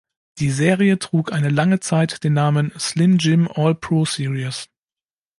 Die Serie trug eine lange Zeit den Namen „Slim Jim All Pro Series“.